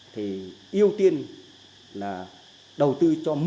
thì ưu tiên là đầu tư cho một mươi